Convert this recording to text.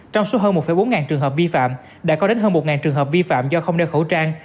trong số hơn một bốn trường hợp vi phạm đã có đến hơn một trường hợp vi phạm do không đeo khẩu trang